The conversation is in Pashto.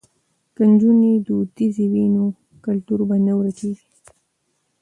که نجونې دودیزې وي نو کلتور به نه ورکيږي.